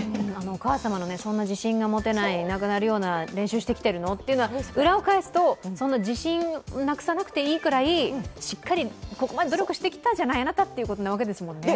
お母様のそんな自信が持てないような、なくなるような練習してきてるの？というのは、裏を返すと、自信なくさないというくらいしっかり努力していたじゃない、あなた、ということですね。